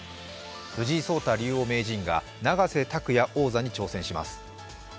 藤井聡太竜王名人が永瀬拓矢王座に挑戦します